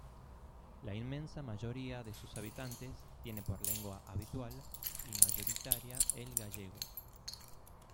La inmensa mayoría de sus habitantes tiene por lengua habitual y mayoritaria el gallego.